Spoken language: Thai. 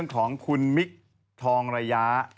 ของคุณมิคทองระยะ